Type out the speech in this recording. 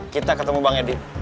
kita ketemu bang edi